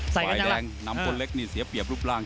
ใส่กันแล้วนะครับฝ่ายแดงนำคนเล็กนี่เสียเปรียบรูปร่าง